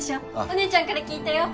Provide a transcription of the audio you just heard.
お姉ちゃんから聞いたよ。